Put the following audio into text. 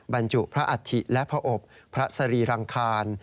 บรรจุพระอัฐิและพระอบพระสรีรังคาร